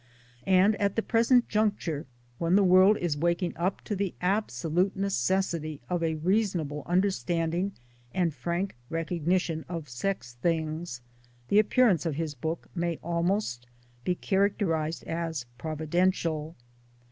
And at the present juncture when the world is waking up to the absolute necessity of a reasonable under standing and frank recognition of sex things, the appearance of his book may almost be characterized as 'providential.'